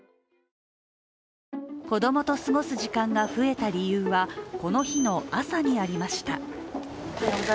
子供と過ごす時間が増えた理由はこの日の朝にありました。